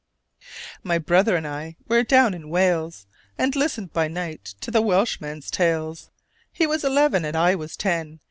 _) My brother and I were down in Wales, And listened by night to the Welshman's tales; He was eleven and I was ten.